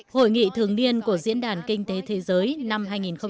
hội nghị thường niên của diễn đàn kinh tế thế giới năm hai nghìn một mươi chín